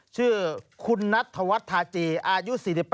ชื่อคุณนัทธวัฒนธาจีอายุ๔๘